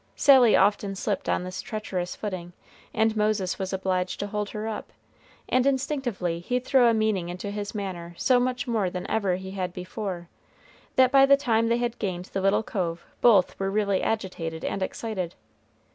Sally often slipped on this treacherous footing, and Moses was obliged to hold her up, and instinctively he threw a meaning into his manner so much more than ever he had before, that by the time they had gained the little cove both were really agitated and excited.